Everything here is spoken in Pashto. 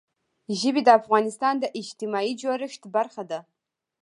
ژبې د افغانستان د اجتماعي جوړښت برخه ده.